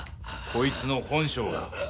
こいつの本性が。